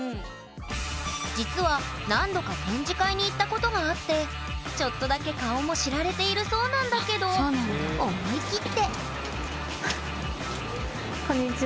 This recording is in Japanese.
実は何度か展示会に行ったことがあってちょっとだけ顔も知られているそうなんだけど思い切ってこんにちは。